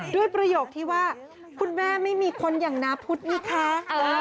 ประโยคที่ว่าคุณแม่ไม่มีคนอย่างนาพุทธนี่คะ